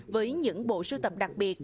với những bộ sưu tập đặc biệt